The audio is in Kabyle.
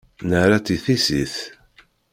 Nerra-tt i tissit.